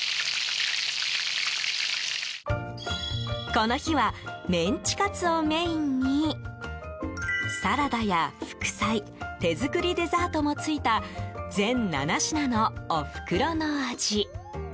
この日はメンチカツをメインにサラダや副菜手作りデザートも付いた全７品のおふくろの味。